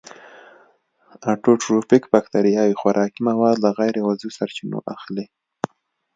اټوټروفیک باکتریاوې خوراکي مواد له غیر عضوي سرچینو اخلي.